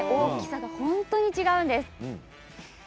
大きさが本当に違うんです。